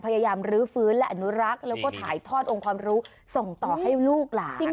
รื้อฟื้นและอนุรักษ์แล้วก็ถ่ายทอดองค์ความรู้ส่งต่อให้ลูกหลาน